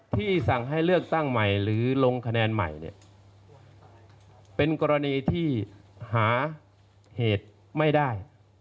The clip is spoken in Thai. สั่งให้เลือกตั้งใหม่หรือลงคะแนนใหม่เนี่ยเป็นกรณีที่หาเหตุไม่ได้